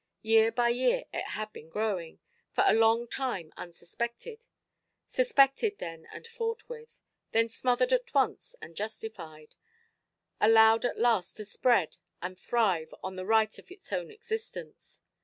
Year by year it had been growing, for a long time unsuspected; suspected then and fought with, then smothered at once and justified; allowed at last to spread and thrive on the right of its own existence.